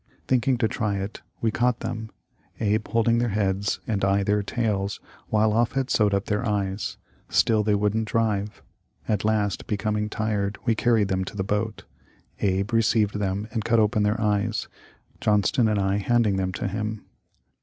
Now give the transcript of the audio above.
Thinking to try it, we caught them, Abe holding their heads and I their tails while Offut sewed up their eyes. Still they wouldn't drive. At last, becoming tired, we carried them to the boat. Abe received them and cut open their eyes, Johnston and I handing them to him."